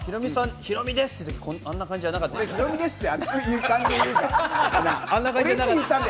ヒロミです！って言うとき、あんな感じじゃなかったでしたっけ？